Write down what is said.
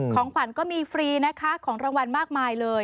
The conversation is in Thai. ของขวัญก็มีฟรีนะคะของรางวัลมากมายเลย